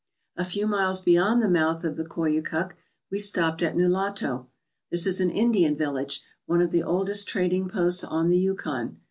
A few miles beyond the mouth of the Koyukuk we stopped at Nulato. This is an Indian village, one of the oldest trading posts on the Yukon.